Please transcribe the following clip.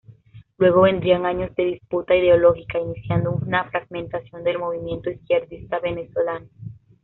Luego vendrían años de disputa ideológica iniciando una fragmentación del movimiento izquierdista venezolano.